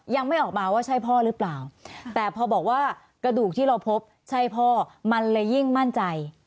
ยังไม่ออกมาว่าใช่พ่อหรือเปล่าแต่พอบอกว่ากระดูกที่เราพบใช่พ่อมันเลยยิ่งมั่นใจ